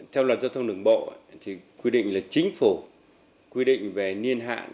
theo luật giao thông đường bộ thì quy định là chính phủ quy định về niên hạn